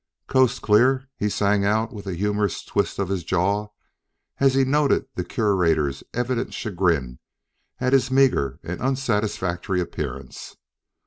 "Coast clear?" he sang out with a humorous twist of his jaw as he noted the Curator's evident chagrin at his meager and unsatisfactory appearance.